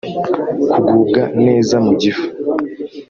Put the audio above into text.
Kugubwa neza mu gifu